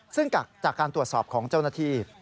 ซึ่งจากการตรวจสอบของเจ้าหน้าที่